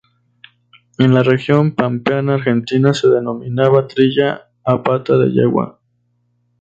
En la región pampeana argentina se denominaba trilla a pata de yegua.